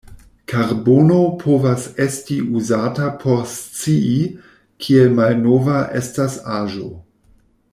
Karbono povas esti uzata por scii, kiel malnova estas aĵo.